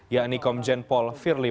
yakni komjen pol firly